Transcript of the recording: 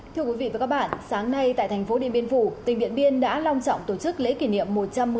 thưa quý vị và các bạn sáng nay tại thành phố điện biên phủ tỉnh điện biên đã long trọng tổ chức lễ kỷ niệm